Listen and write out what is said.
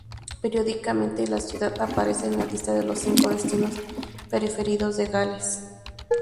Periódicamente la ciudad aparece en la lista de los cinco destinos preferidos de Gales.